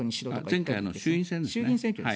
前回の衆院選ですね。